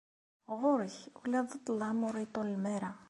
Ɣur-k, ula d ṭṭlam ur iṭṭullem ara.